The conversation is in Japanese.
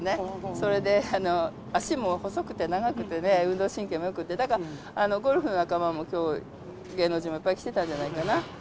それで足も細くて長くて、運動神経もよくて、だからゴルフ仲間も芸能人もいっぱい来てたんじゃないかな。